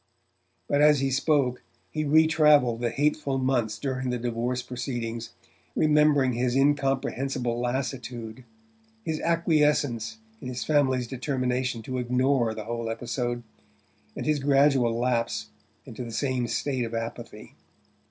But as he spoke he retravelled the hateful months during the divorce proceedings, remembering his incomprehensible lassitude, his acquiescence in his family's determination to ignore the whole episode, and his gradual lapse into the same state of apathy.